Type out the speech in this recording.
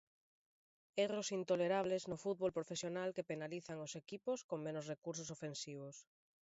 Erros intolerables no fútbol profesional que penalizan os equipos con menos recursos ofensivos.